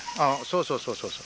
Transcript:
そうそうそうそう。